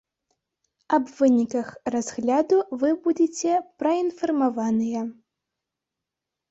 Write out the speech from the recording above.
Аб выніках разгляду вы будзеце праінфармаваныя.